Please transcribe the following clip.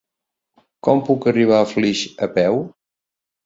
Com puc arribar a Flix a peu?